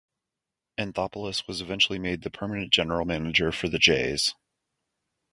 Anthopoulos was eventually made the permanent general manager for the Jays.